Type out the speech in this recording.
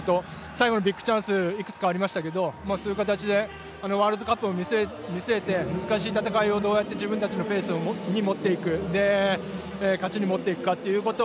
最後にビッグチャンスがいくつかありましたけどもそういう形でワールドカップを見据えて難しい戦いをどうやって自分たちのペースに持っていく、で、勝ちに持って行くかということ